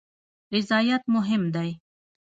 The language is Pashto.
رضایت مهم دی